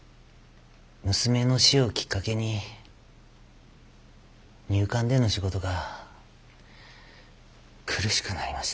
娘の死をきっかけに入管での仕事が苦しくなりました。